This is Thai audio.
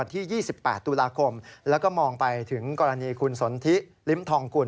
ที่๒๘ตุลาคมแล้วก็มองไปถึงกรณีคุณสนทิลิ้มทองกุล